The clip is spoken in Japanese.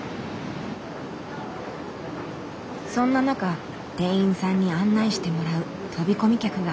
そんな中店員さんに案内してもらう飛び込み客が。